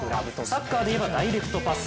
サッカーでいえばダイレクトパス。